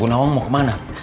bunawang mau kemana